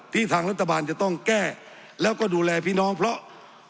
ทางรัฐบาลจะต้องแก้แล้วก็ดูแลพี่น้องเพราะ